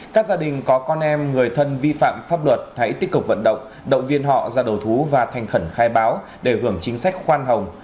các gia đình có con em người thân vi phạm pháp luật hãy tích cực vận động động viên họ ra đầu thú và thành khẩn khai báo để hưởng chính sách khoan hồng